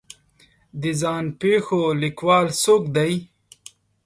د ځان پېښو لیکوال څوک دی